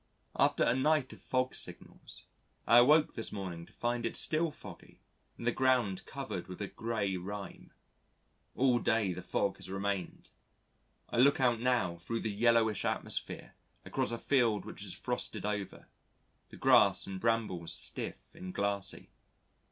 After a night of fog signals, I awoke this morning to find it still foggy and the ground covered with a grey rime. All day the fog has remained: I look out now thro' the yellowish atmosphere across a field which is frosted over, the grass and brambles stiff and glassy.